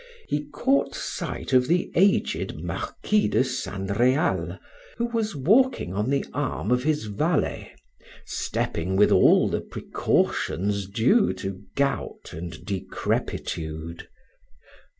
he caught sight of the aged Marquis de San Real, who was walking on the arm of his valet, stepping with all the precautions due to gout and decrepitude.